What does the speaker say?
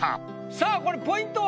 さあこれポイントは？